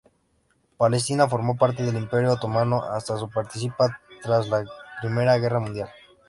Palestina formó parte del Imperio Otomano hasta su partición tras la I Guerra Mundial.